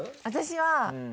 私は。